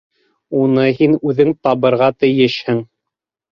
— Уны һин үҙең табырға тейешһең.